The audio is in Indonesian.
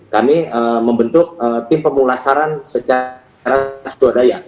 kami membentuk tim pemulasaran secara swadaya